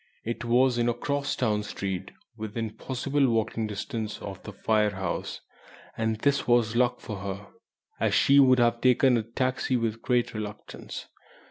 It was in a cross town street, within possible walking distance of the Phayre house; and this was luck for her, as she would have taken a taxi with great reluctance.